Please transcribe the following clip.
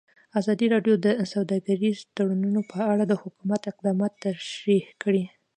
ازادي راډیو د سوداګریز تړونونه په اړه د حکومت اقدامات تشریح کړي.